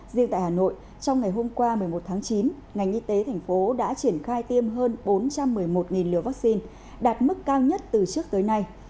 riêng tại hà nội trong ngày hôm qua một mươi một tháng chín ngành y tế thành phố đã triển khai tiêm hơn bốn trăm một mươi một liều vaccine đạt mức cao nhất từ trước tới nay